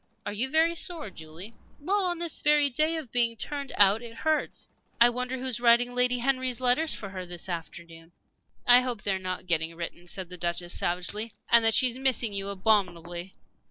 "Are you very sore, Julie?" "Well, on this very day of being turned out it hurts. I wonder who is writing Lady Henry's letters for her this afternoon?" "I hope they are not getting written," said the Duchess, savagely; "and that she's missing you abominably.